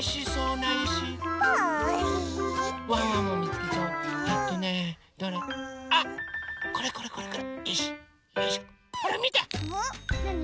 なに？